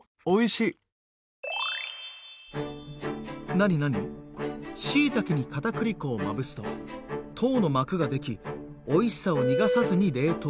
「しいたけに片栗粉をまぶすと糖の膜が出来おいしさを逃がさずに冷凍できる」。